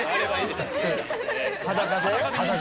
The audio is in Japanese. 裸で？